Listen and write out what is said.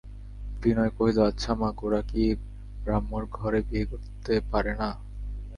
বিনয় কহিল, আচ্ছা মা, গোরা কি ব্রাহ্মর ঘরে বিয়ে করতে পারে না?